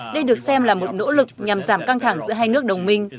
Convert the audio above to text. đây được xem là một nỗ lực nhằm giảm căng thẳng giữa hai nước đồng minh